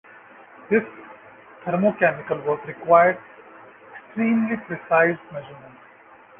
This thermochemical work required extremely precise measurements.